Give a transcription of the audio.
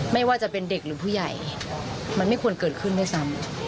ไม่ว่าจะเป็นเด็กหรือผู้ใหญ่มันไม่ควรเกิดขึ้นด้วยซ้ำ